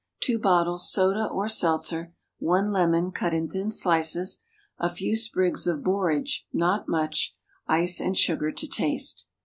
2 bottles soda or seltzer. 1 lemon, cut in thin slices. A few sprigs of borage; not much. Ice and sugar to taste.